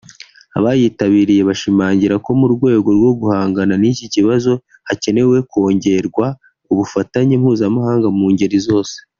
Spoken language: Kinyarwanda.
Abayitabiriye bashimangiye ko mu rwego rwo guhangana n’iki kibazo hakenewe kongerwa ubufatanye mpuzamahanga mu ngeri zose